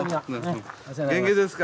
元気ですか？